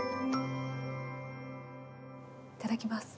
いただきます。